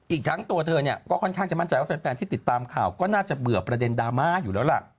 อีกทั้งตัวเธอเนี่ยก็ค่อนข้างจะมั่นใจว่าแฟนที่ติดตามข่าวก็น่าจะเบื่อประเด็นดราม่าอยู่แล้วล่ะ